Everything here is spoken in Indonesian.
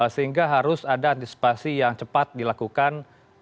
sehingga harus ada antisipasi yang cepat dilakukan